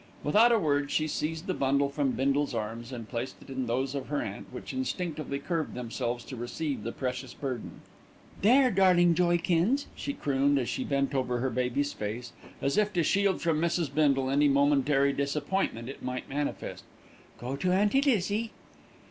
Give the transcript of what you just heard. Without a word she seized the bundle from Bindle's arms and placed it in those of her aunt, which instinctively curved themselves to receive the precious burden. "There, darling Joeykins," she crooned as she bent over her baby's face, as if to shield from Mrs. Bindle any momentary disappointment it might manifest. "Go to Auntie Lizzie."